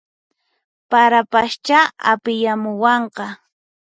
Parapaschá apiyamuwanqa